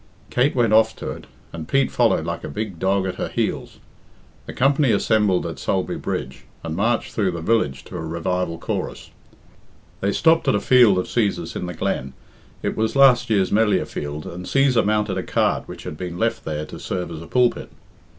Kate went off to it, and Pete followed like a big dog at her heels. The company assembled at Sulby Bridge, and marched through the village to a revival chorus. They stopped at a field of Cæsar's in the glen it was last year's Melliah field and Cæsar mounted a cart which had been left there to serve as a pulpit.